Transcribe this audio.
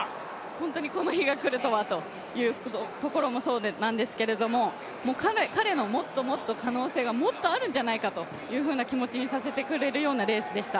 本当にこの日が来るとはというところもそうなんですけれども彼の可能性がもっとあるんじゃないかという気持ちにさせてくれるようなレースでした。